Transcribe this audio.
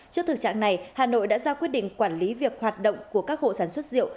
trước thực trạng này hà nội đã ra quyết định quản lý việc hoạt động của các hộ sản xuất rượu